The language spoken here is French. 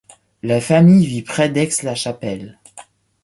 La famille vit près d'Aix-la-Chapelle.